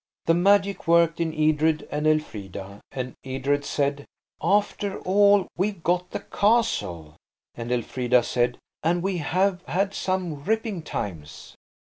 The magic worked in Edred and Elfrida till Edred said– "After all, we've got the castle;" and Elfrida said– "And we have had some ripping times."